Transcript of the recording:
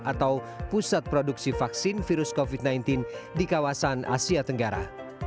atau pusat produksi vaksin virus covid sembilan belas di kawasan asia tenggara